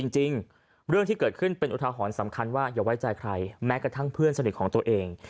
จริงเรื่องที่เกิดขึ้นเป็นอุทาหรณ์สำคัญว่าอย่าไว้ใจใครแม้กระทั่งเพื่อนสนิทของตัวเอง